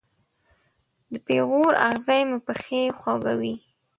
د پیغور اغزې مې پښې خوږوي